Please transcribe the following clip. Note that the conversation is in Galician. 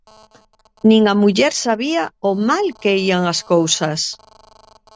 Nin a muller sabía o mal que ían as cousas.